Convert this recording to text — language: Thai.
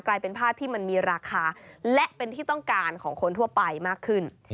กลายเป็นผ้าที่มันมีราคาและเป็นที่ต้องการของคนทั่วไปมากขึ้น